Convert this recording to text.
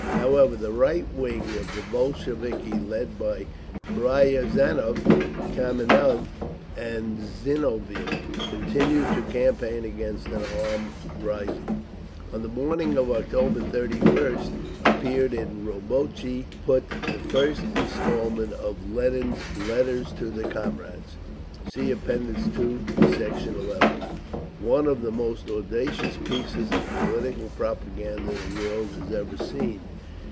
However, the right wing of the Bolsheviki, led by Riazanov, Kameniev and Zinoviev, continued to campaign against an armed rising. On the morning of October 31st appeared in Rabotchi Put the first instalment of Lenin's "Letter to the Comrades," (See App. II, Sect. 11) one of the most audacious pieces of political propaganda the world has ever seen.